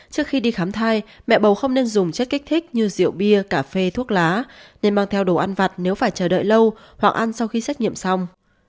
trước khi đi khám thai mẹ bầu không nên dùng chất kích thích như rượu bia cà phê thuốc lá nên mang theo đồ ăn vặt nếu phải chờ đợi lâu hoặc ăn sau khi xét nghiệm xong